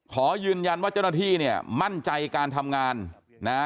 ขอยืนยันว่าเจ้าหน้าที่เนี่ยมั่นใจการทำงานนะ